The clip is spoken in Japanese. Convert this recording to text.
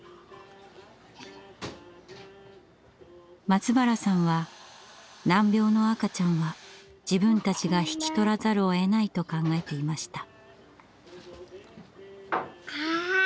松原さんは難病の赤ちゃんは自分たちが引き取らざるをえないと考えていました。